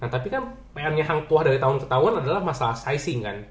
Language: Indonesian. nah tapi kan peannya hang tuah dari tahun ke tahun adalah masalah sizing kan